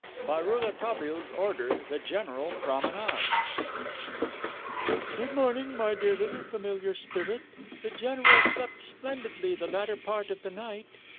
V. BY ROULETABILLE'S ORDER THE GENERAL PROMENADES "Good morning, my dear little familiar spirit. The general slept splendidly the latter part of the night.